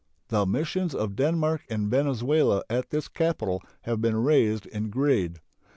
The missions of Denmark and Venezuela at this capital have been raised in grade.